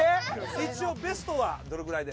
一応ベストはどれくらいで？